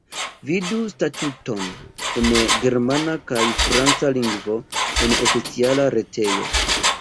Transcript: Vidu statuton en germana kaj franca lingvo en oficiala retejo.